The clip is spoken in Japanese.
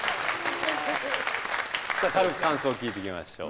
さあ軽く感想を聞いていきましょう。